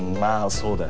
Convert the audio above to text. そうだよ。